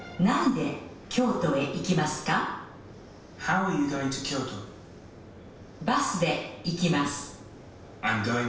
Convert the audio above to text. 「何で京都へ行きますか？」。